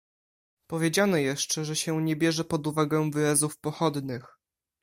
Powiedziano jeszcze, że się nie bierze pod uwagę wyrazów pochodnych.